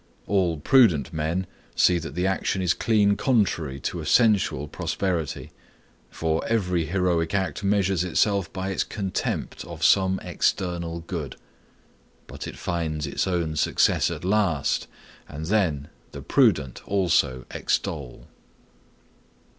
All prudent men see that the action is clean contrary to a sensual prosperity; for every heroic act measures itself by its contempt of some external good. But it finds its own success at last, and then the prudent also extol.